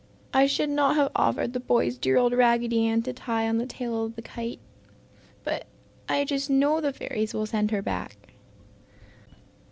"I should not have offered the boys dear old Raggedy Ann to tie on the tail of the kite! But I just know the fairies will send her back."